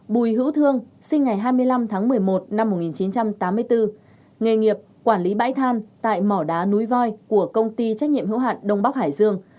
bùi hữu thương sinh ngày hai mươi năm tháng một mươi một năm một nghìn chín trăm tám mươi bốn nghề nghiệp quản lý bãi than tại mỏ đá núi voi của công ty trách nhiệm hữu hạn đông bắc hải dương